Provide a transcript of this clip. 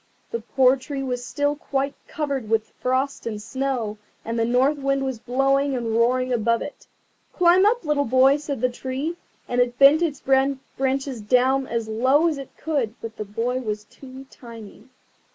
The poor tree was still quite covered with frost and snow, and the North Wind was blowing and roaring above it. "Climb up! little boy," said the Tree, and it bent its branches down as low as it could; but the boy was too tiny.